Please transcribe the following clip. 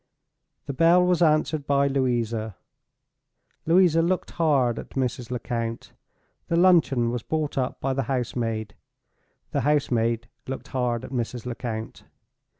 The bell was answered by Louisa—Louisa looked hard at Mrs. Lecount. The luncheon was brought up by the house maid—the house maid looked hard at Mrs. Lecount.